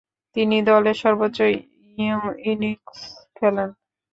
তিনি দলের সর্বোচ্চ ইনিংস খেলেন।